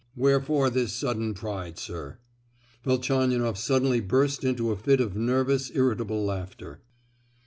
"Wherefore this sudden pride, sir?" Velchaninoff suddenly burst into a fit of nervous, irritable laughter.